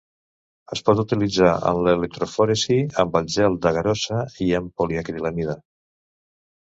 Es pot utilitzar en l'electroforesi amb gel d'agarosa i amb poliacrilamida.